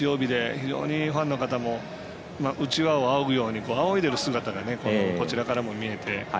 非常にファンの方もうちわをあおぐようにあおいでいる姿もこちらから見えて。